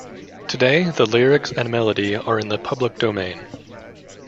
Today, the lyrics and melody are in the public domain.